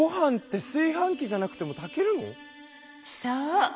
そう。